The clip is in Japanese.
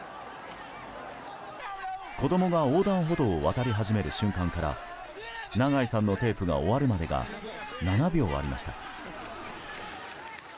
子供が横断歩道を渡り始める瞬間から長井さんのテープが終わるまでが７秒ありました。